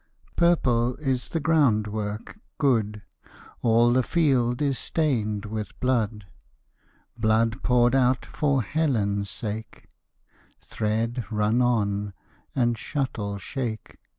Purple is the groundwork: good! All the field is stained with blood. Blood poured out for Helen's sake; (Thread, run on; and, shuttle, shake!)